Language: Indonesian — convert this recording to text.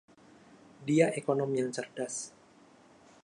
Dia ekonom yang cerdas.